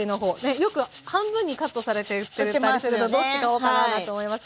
よく半分にカットされて売ってたりするとどっちか分からないと思いますけど。